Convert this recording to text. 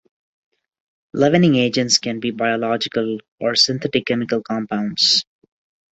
Leavening agents can be biological or synthetic chemical compounds.